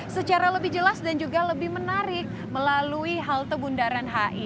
secara lebih jelas dan juga lebih menarik melalui halte bundaran hi